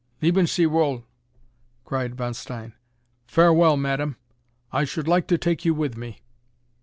"Leben sie wohl!" cried Von Stein. "Farewell, Madame! I should like to take you with me!"